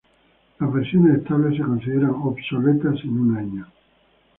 Las versiones estables se consideran obsoletas en un año.